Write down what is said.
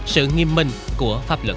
sự nghiêm minh của pháp luật